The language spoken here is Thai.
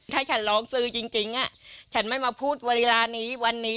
ถ้าฉันร้องสื่อจริงฉันไม่มาพูดเวลานี้วันนี้